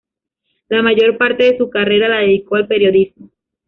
La mayor parte de su carrera la dedicó al periodismo.